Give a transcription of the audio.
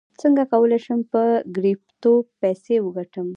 څنګه کولی شم په کریپټو پیسې وګټم